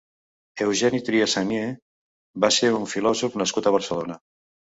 Eugeni Trias Sagnier va ser un filòsof nascut a Barcelona.